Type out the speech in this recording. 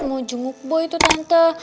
mau jenguk boy itu tante